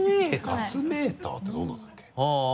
ガスメーターってどんなのだっけあぁ